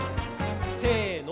せの。